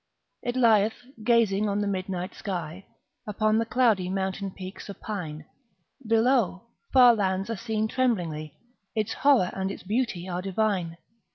It lieth, gazing on the midnight sky, Upon the cloudy mountain peak supine; Below, far lands are seen tremblingly; Its horror and its beauty are divine.